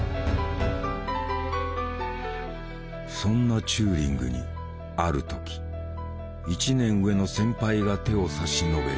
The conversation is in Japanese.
そんなチューリングにある時１年上の先輩が手を差し伸べる。